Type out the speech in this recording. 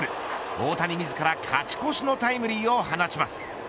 大谷自ら勝ち越しのタイムリーを放ちます。